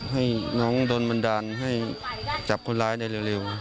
ให้น้องโดนบันดาลให้จับคนร้ายได้เร็ว